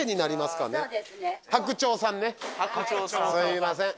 すいません